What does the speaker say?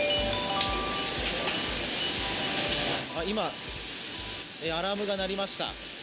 今、アラームが鳴りました。